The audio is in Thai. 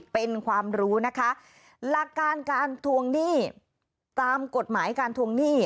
เป็นความรู้นะคะหลักการการทวงหนี้ตามกฎหมายการทวงหนี้